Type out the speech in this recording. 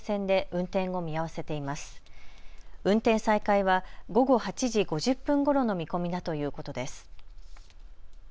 運転再開は午後８時５０分ごろの見込みだということです。